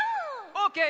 オーケー！